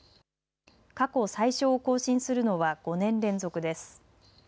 過去最少を更新するのは５年連続です。